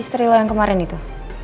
istri lo yang kemarin itu